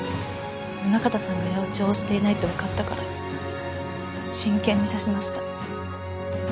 宗形さんが八百長をしていないってわかったから真剣に指しました。